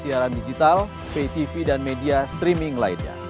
siaran digital pay tv dan media streaming lainnya